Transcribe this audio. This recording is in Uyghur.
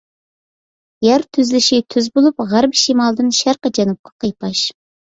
يەر تۈزۈلۈشى تۈز بولۇپ، غەربىي شىمالدىن شەرقىي جەنۇبقا قىيپاش.